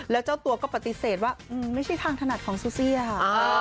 แล้วเจ้าตัวก็ปฏิเสธว่าไม่ใช่ทางถนัดของซูเซียค่ะ